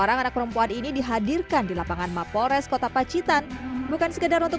orang anak perempuan ini dihadirkan di lapangan mapolres kota pacitan bukan sekedar untuk